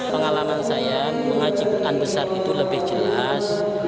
pengalaman saya mengaji quran besar itu lebih jelas